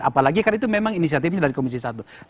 apalagi kan itu memang inisiatifnya dari komisi satu